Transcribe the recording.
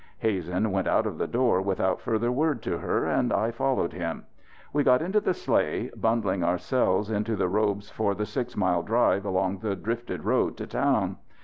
Hazen went out of the door without further word to her, and I followed him. We got into the sleigh, bundling ourselves into the robes for the six mile drive along the drifted road to town.